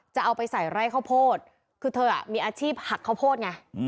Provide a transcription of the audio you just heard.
จะเอาไปใส่ไร่ข้าวโพดคือเธอมีอาชีพหักข้าวโพดไง